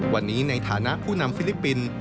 วันนี้ในฐานะผู้นำฟิลิปปินส์